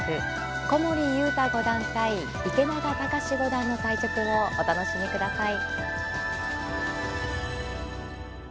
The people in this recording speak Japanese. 古森悠太五段対池永天志五段の対局をお楽しみください。